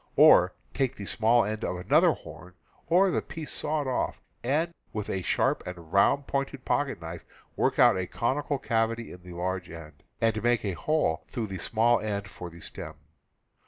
Or take the small end of another horn, or the piece sawed off, and with a sharp and round pointed pocket knife work out a conical cavity at the large end, and make a hole through the small end for the stem.